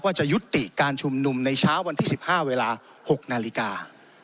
จะยุติการชุมนุมในเช้าวันที่๑๕เวลา๖นาฬิกา